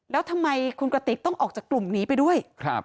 แล้วทำไมคุณกระติกต้องออกจากกลุ่มนี้ไปด้วย